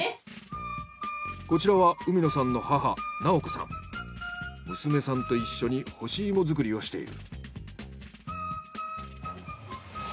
こちらは海野さんの娘さんと一緒に干し芋作りをしている。